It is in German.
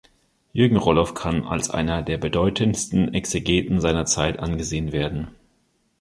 Jürgen Roloff kann als einer der bedeutendsten Exegeten seiner Zeit angesehen werden.